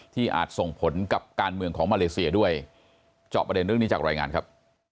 อาจส่งผลกับการเมืองของมาเลเซียด้วยเจาะประเด็นเรื่องนี้จากรายงานครับ